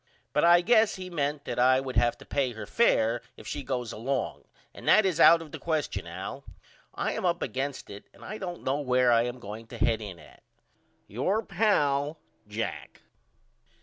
But I guess he ment that I would have to pay her fair if she goes along and that is out of the question Al. I am up against it and I don't know where I am going to head in at. Your pal, JACK.